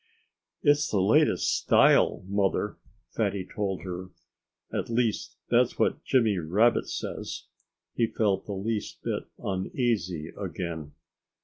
"It's the latest style, Mother," Fatty told her. "At least, that's what Jimmy Rabbit says." He felt the least bit uneasy again.